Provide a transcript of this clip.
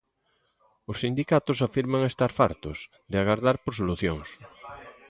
Os sindicatos afirman estar "fartos" de agardar por solucións.